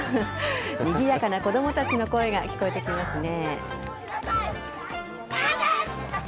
にぎやかな子供たちの声が聞こえてきますね。